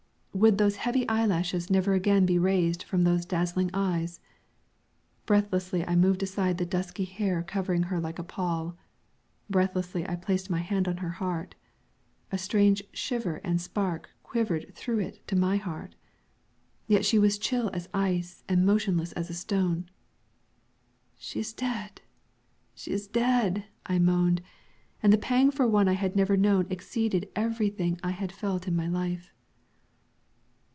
Would those heavy eyelashes never again be raised from those dazzling eyes? Breathlessly I moved aside the dusky hair covering her like a pall. Breathlessly I placed my hand on her heart; a strange shiver and spark quivered through it to my heart. Yet she was chill as ice and motionless as a stone. "She is dead, she is dead!" I moaned; and the pang for one I had never known exceeded everything I had felt in my life.